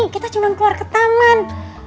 kita cuma keluar ke taman